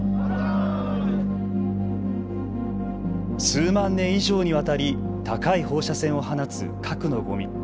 数万年以上にわたり高い放射線を放つ、核のごみ。